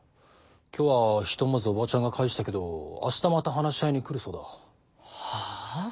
今日はひとまずオバチャンが帰したけど明日また話し合いに来るそうだ。はあ！？